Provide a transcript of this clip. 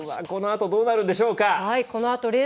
このあとどうなるんでしょうか？